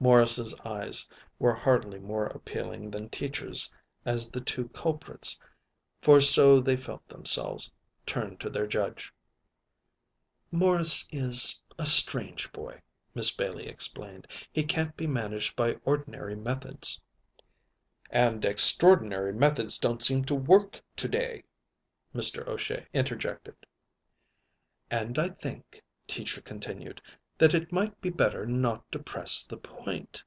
Morris's eyes were hardly more appealing than Teacher's as the two culprits, for so they felt themselves, turned to their judge. "Morris is a strange boy," Miss Bailey explained. "He can't be managed by ordinary methods " "And extraordinary methods don't seem to work to day," Mr. O'Shea interjected. "And I think," Teacher continued, "that it might be better not to press the point."